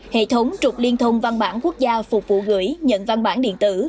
hệ thống trục liên thông văn bản quốc gia phục vụ gửi nhận văn bản điện tử